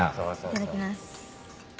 いただきます。